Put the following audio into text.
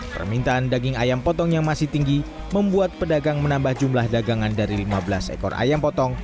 permintaan daging ayam potong yang masih tinggi membuat pedagang menambah jumlah dagangan dari lima belas ekor ayam potong